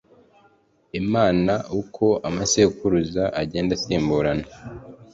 imana uko amasekuruza agenda asimburana.